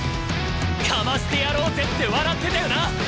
「かましてやろうぜ」って笑ってたよな！